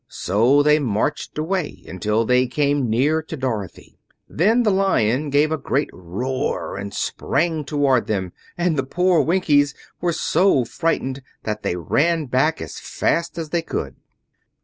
So they marched away until they came near to Dorothy. Then the Lion gave a great roar and sprang towards them, and the poor Winkies were so frightened that they ran back as fast as they could.